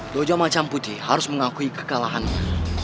joja macam putih harus mengakui kekalahannya